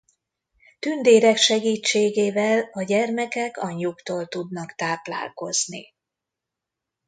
Tündérek segítségével a gyermekek anyjuktól tudnak táplálkozni.